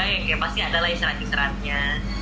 yang pasti ada lagi seran serannya